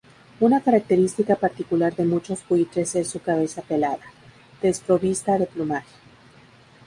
Una característica particular de muchos buitres es su cabeza pelada, desprovista de plumaje.